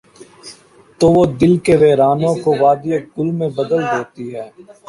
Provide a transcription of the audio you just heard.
تو وہ دل کے ویرانوں کو وادیٔ گل میں بدل دیتی ہے۔